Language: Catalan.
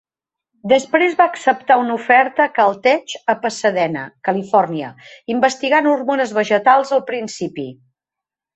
Després va acceptar una oferta a Caltech a Pasadena, California, investigant hormones vegetals al principi.